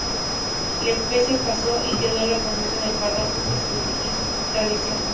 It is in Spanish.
La peste pasó y quedó la promesa del párroco que se hizo tradición.